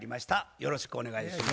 よろしくお願いします。